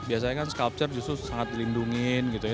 biasanya kan sculpture justru sangat dilindungi gitu ya